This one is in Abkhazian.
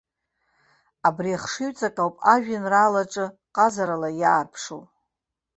Абри ахшыҩҵак ауп ажәеинраалаҿыы ҟазарыла иаарԥшу.